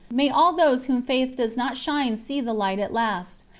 May all those on whom Faith does not shine see the light at last!